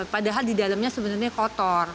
padahal di dalamnya sebenarnya kotor